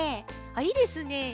いいですね。